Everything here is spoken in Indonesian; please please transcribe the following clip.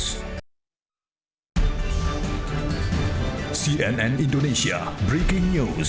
sampai jumpa di sampai jumpa di indonesia breaking news